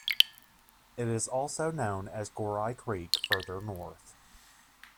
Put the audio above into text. It is also known as the Gorai Creek further north.